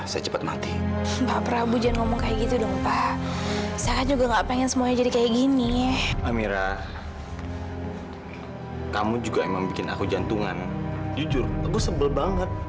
sampai jumpa di video selanjutnya